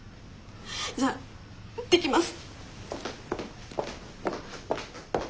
じゃあいってきます。